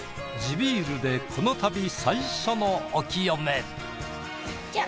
ビールでこの旅最初のお清め。